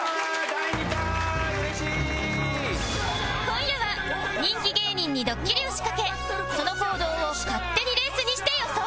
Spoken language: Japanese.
今夜は人気芸人にドッキリを仕掛けその行動を勝手にレースにして予想